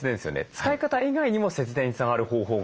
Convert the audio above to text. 使い方以外にも節電につながる方法があるようですね？